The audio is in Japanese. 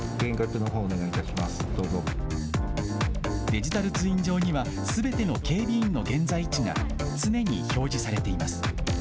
デジタルツイン上には、すべての警備員の現在位置が常に表示されています。